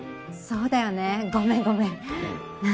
そうだよねごめんごめん。